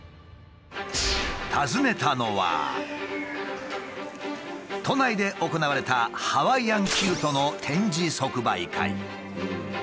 訪ねたのは都内で行われたハワイアンキルトの展示即売会。